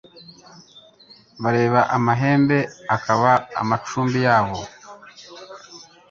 Bareba amahembe akaba amacumbi yabo